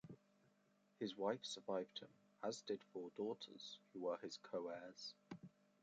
His wife survived him, as did four daughters who were his co-heirs.